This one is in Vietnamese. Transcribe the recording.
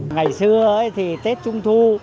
ngày xưa thì tết trung thu